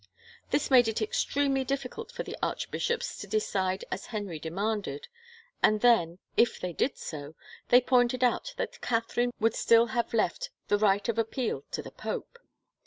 This made it extremely difficult for the archbishops to decide as Henry demanded, and then, if they did so, they pointed out that Catherine would still have left the right of appeal to the pope.